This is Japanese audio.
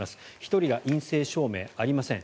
１人が陰性証明ありません。